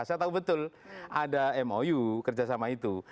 saya tahu betul ada mou kerjasama itu